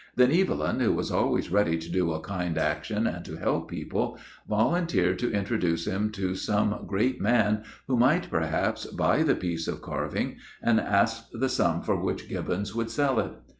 Then Evelyn, who was always ready to do a kind action and to help people, volunteered to introduce him to some 'great man,' who might, perhaps, buy the piece of carving, and asked the sum for which Gibbons would sell it.